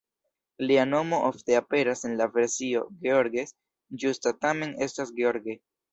Lia nomo ofte aperas en la versio "Georges"; ĝusta tamen estas "George".